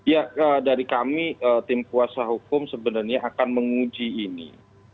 ya dari kami tim kuasa hukum sebenarnya akan menguji ini